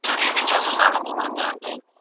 موږ کولای سو چي خپله ټولنه آباده کړو.